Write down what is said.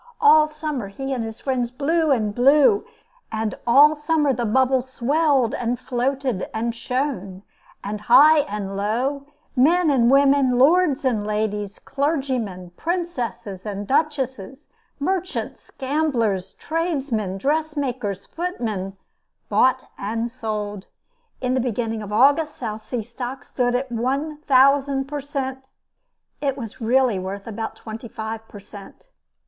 All summer, he and his friends blew and blew; and all summer the bubble swelled and floated, and shone; and high and low, men and women, lords and ladies, clergymen, princesses and duchesses, merchants, gamblers, tradesmen, dressmakers, footmen, bought and sold. In the beginning of August, South Sea stock stood at one thousand per cent! It was really worth about twenty five per cent.